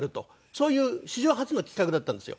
そういう史上初の企画だったんですよ。